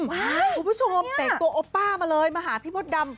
ว้ายประโยชน์แต่ตัวโอป้ามาเลยมาหาพี่มดดำ